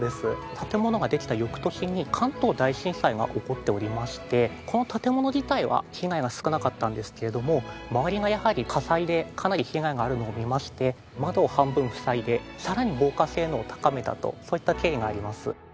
建物ができた翌年に関東大震災が起こっておりましてこの建物自体は被害が少なかったんですけれども周りがやはり火災でかなり被害があるのを見まして窓を半分塞いでさらに防火性能を高めたとそういった経緯があります。